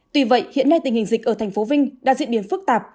tuy vậy hiện nay tình hình dịch ở thành phố vinh đã diễn biến phức tạp